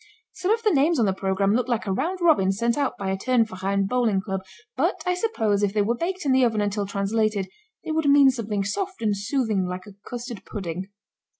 Some of the names on the programme looked like a round robin sent out by a Turnverein bowling club, but I suppose if they were baked in the oven until translated they would mean something soft and soothing like a custard pudding.